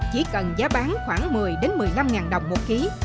chỉ cần giá bán khoảng một mươi một mươi năm đồng một ký